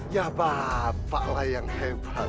ya bapak lah yang hebat